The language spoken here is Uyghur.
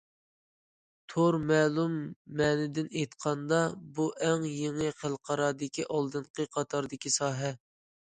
تور مەلۇم مەنىدىن ئېيتقاندا، بۇ ئەڭ يېڭى، خەلقئارادىكى ئالدىنقى قاتاردىكى ساھە.